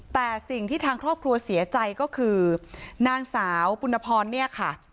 แต่สิ่งที่ทางครอบครัวเสียใจก็คือนางสาวปุณพรเนี่ยค่ะ